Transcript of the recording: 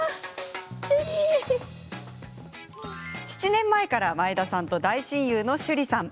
７年前から前田さんと大親友の趣里さん。